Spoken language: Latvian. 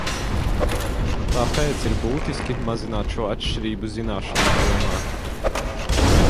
Tāpēc ir būtiski mazināt šo atšķirību zināšanu jomā.